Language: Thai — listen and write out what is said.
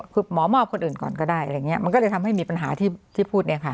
คือหมอมอบคนอื่นก่อนก็ได้อะไรอย่างนี้มันก็เลยทำให้มีปัญหาที่พูดเนี่ยค่ะ